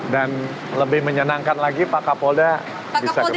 dan lebih menyenangkan lagi pak kapolda bisa ketemu pak kapolda